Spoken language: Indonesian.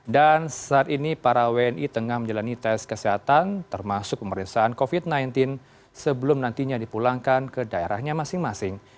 dan saat ini para wni tengah menjalani tes kesehatan termasuk pemerintahan covid sembilan belas sebelum nantinya dipulangkan ke daerahnya masing masing